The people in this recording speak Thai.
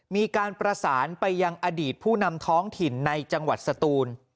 มีการประสานไปยังอดีตผู้นำท้องถิ่นในจังหวัดสตูน